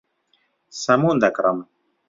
سەمون دەکڕم.